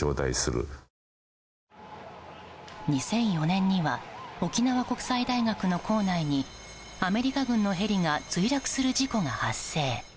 ２００４年には沖縄国際大学の構内にアメリカ軍のヘリが墜落する事故が発生。